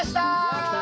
やった！